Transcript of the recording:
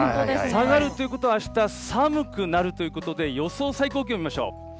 下がるということは、あした寒くなるということで、予想最高気温見ましょう。